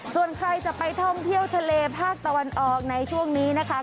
ส่วนใครจะไปท่องเที่ยวทะเลภาคตะวันออกในช่วงนี้นะคะ